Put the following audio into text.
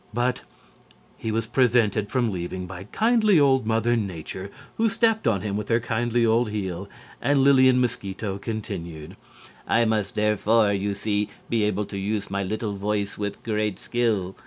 But he was prevented from leaving by kindly old Mother Nature, who stepped on him with her kindly old heel, and Lillian Mosquito continued: "I must therefore, you see, be able to use my little voice with great skill.